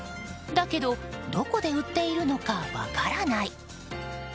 だけど、どこで売っているのか分からない。